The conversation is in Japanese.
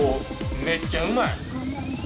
めっちゃうまい。